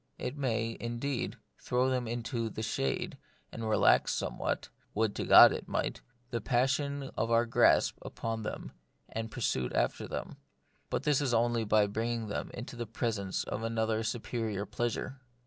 It may, indeed, throw them into the shade, and relax somewhat (would to God it might !) the passion of our grasp upon them and pursuit after them ; but this is only by bringing them into the presence of another and superior pleasure.